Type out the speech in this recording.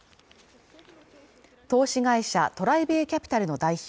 投資会社トライベイ・キャピタルの代表